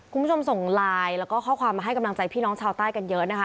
คุณผู้ชมส่งไลน์แล้วก็ข้อความมาให้กำลังใจพี่น้องชาวใต้กันเยอะนะคะ